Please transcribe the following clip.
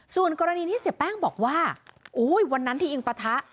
ส่วนกรณีที่เสียแป้งบอกว่าโอ้ยวันนั้นที่อิงปะทะ